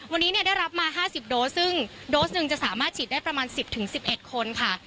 วันนี้เนี่ยได้รับมา๕๐โดสซึ่งโดสหนึ่งจะสามารถฉีดได้ประมาณ๑๐๑๑คนค่ะ